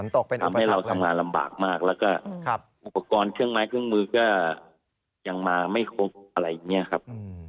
ทำให้เราทำงานลำบากมากแล้วก็อุปกรณ์เครื่องไม้เครื่องมือก็ยังมาไม่ครบอะไรอย่างนี้ครับ